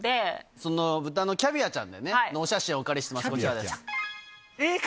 そのブタのキャビアちゃんだよね、お写真をお借りしてます、こちらです。